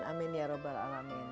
amin ya rabbal alamin